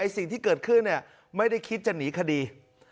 สิ่งที่เกิดขึ้นไม่ได้คิดจะหนีคดี